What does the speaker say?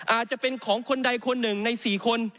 อาจจะเป็นของคนใดคนหนึ่งใน๔คน